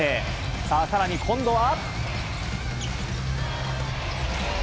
さあ、さらに今度は。